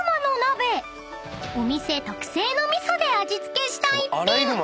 ［お店特製の味噌で味付けした一品］